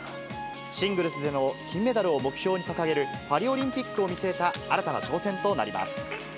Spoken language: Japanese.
シングルスでの金メダルを目標に掲げるパリオリンピックを見据えた、新たな挑戦となります。